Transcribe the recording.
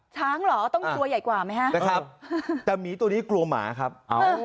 เหรอต้องตัวใหญ่กว่าไหมฮะนะครับแต่หมีตัวนี้กลัวหมาครับ